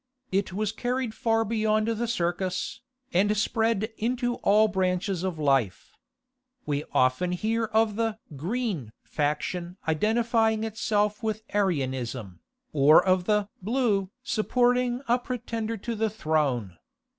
It was carried far beyond the circus, and spread into all branches of life. We often hear of the "Green" faction identifying itself with Arianism, or of the "Blue" supporting a pretender to the throne.